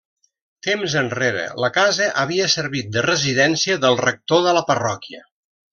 Temps enrere la casa havia servit de residència del rector de la parròquia.